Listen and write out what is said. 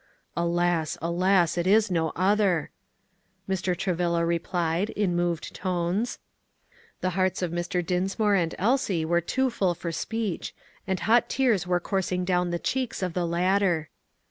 "Alas, alas, it is no other!" Mr. Travilla replied, in moved tones. The hearts of Mr. Dinsmore and Elsie were too full for speech, and hot tears were coursing down the cheeks of the latter.